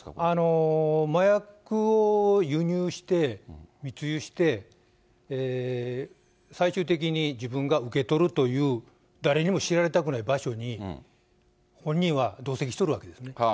麻薬を輸入して、密輸して、最終的に自分が受け取るという、誰にも知られたくない場所に、本人は同席しとるわけですね。